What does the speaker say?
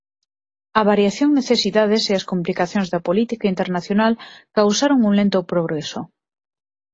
A variación necesidades e as complicacións da política internacional causaron un lento progreso.